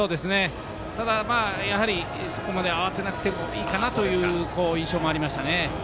ただ、やはりあそこまで慌てなくてもいいかなという印象がありましたね。